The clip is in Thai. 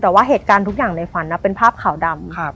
แต่ว่าเหตุการณ์ทุกอย่างในฝันเป็นภาพขาวดำ